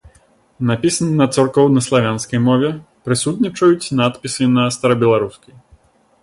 Напісана на царкоўнаславянскай мове, прысутнічаюць надпісы на старабеларускай.